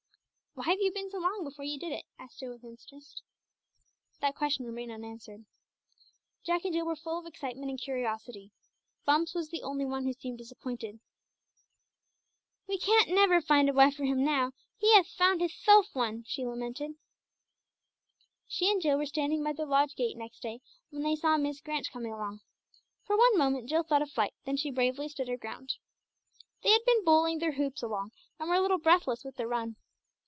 "Why have you been so long before you did it?" asked Jill with interest. That question remained unanswered. Jack and Jill were full of excitement and curiosity. Bumps was the only one who seemed disappointed. "We can't never find a wife for him now, he hath found hithelf one!" she lamented. She and Jill were standing by their lodge gate next day when they saw Miss Grant coming along. For one moment Jill thought of flight, then she bravely stood her ground. They had been bowling their hoops along, and were a little breathless with their run.